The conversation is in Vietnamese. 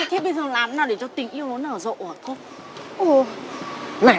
thế bây giờ làm thế nào để cho tình yêu nó nở rộn hả cô